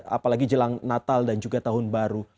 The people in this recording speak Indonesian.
apalagi jelang natal dan juga tahun baru